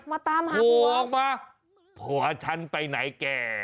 มาตามหาผัวออกมาผัวฉันไปไหนแก่